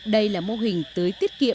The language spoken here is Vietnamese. đây là mô hình tưới tiết kiệm